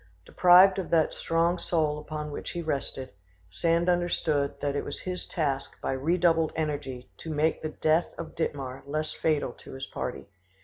Deprived of that strong soul upon which he rested, Sand understood that it was his task by redoubled energy to make the death of Dittmar less fatal to his party.